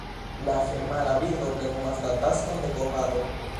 La femala birdo plenumas la taskon de kovado.